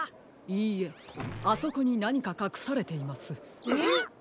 いいえあそこになにかかくされています。